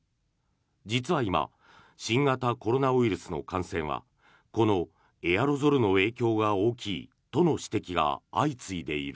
実は今新型コロナウイルスの感染はこのエアロゾルの影響が大きいとの指摘が相次いでいる。